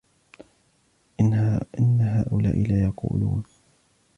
إِنَّ هَؤُلَاءِ لَيَقُولُونَ